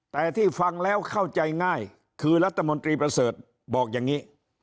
แต่ที่ฟังแล้วเข้าใจง่ายคือรัฐมนตรีประเสริฐบอกอย่างนี้